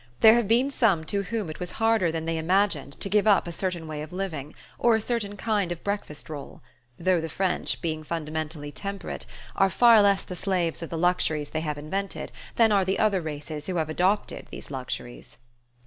There have been some to whom it was harder than they imagined to give up a certain way of living, or a certain kind of breakfast roll; though the French, being fundamentally temperate, are far less the slaves of the luxuries they have invented than are the other races who have adopted these luxuries.